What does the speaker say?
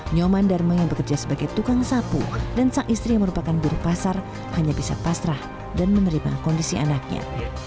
nyoman dharma yang bekerja sebagai tukang sapu dan sang istri yang merupakan buruh pasar hanya bisa pasrah dan menerima kondisi anaknya